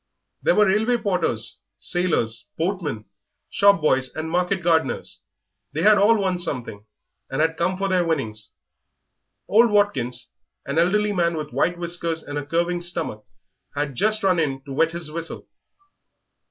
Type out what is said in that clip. There were railway porters, sailors, boatmen, shop boys, and market gardeners. They had all won something, and had come for their winnings. Old Watkins, an elderly man with white whiskers and a curving stomach, had just run in to wet his whistle.